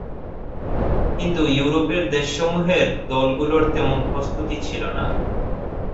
কিন্তু ইউরোপের দেশসমূহের দলগুলোর তেমন প্রস্তুতি ছিল না।